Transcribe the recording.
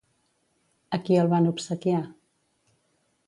A qui el van obsequiar?